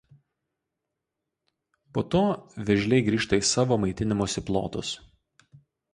Po to vėžliai grįžta į savo maitinimosi plotus.